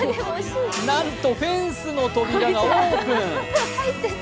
なんとフェンスの扉がオープン。